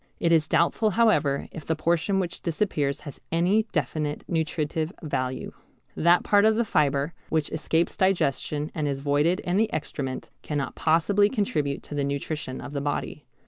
It is doubtful however if the portion which disappears has any definite nutritive value. That part of the fibre which escapes digestion and is voided in the excrement cannot possibly contribute to the nutrition of the body.